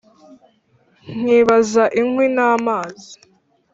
nkibaza inkwi n'amazi